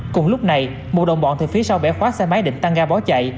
cùng lúc này một đồng bọn từ phía sau bẻ khóa xe máy định tăng ga bỏ chạy